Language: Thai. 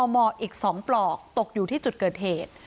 มอีก๒ปลอกตกอยู่ที่จุดเกิดเหตุ